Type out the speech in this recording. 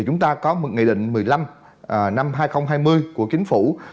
chúng ta có một nghị định một mươi năm năm hai nghìn hai mươi của chính phủ